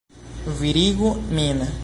Virigu min!